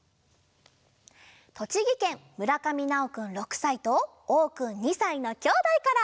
とちぎけんむらかみなおくん６さいとおうくん２さいのきょうだいから！